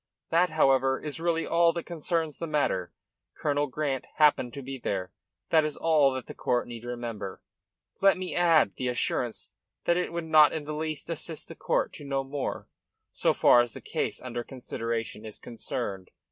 That, however, is really all that concerns the matter. Colonel Grant happened to be there. That is all that the court need remember. Let me add the assurance that it would not in the least assist the court to know more, so far as the case under consideration is concerned."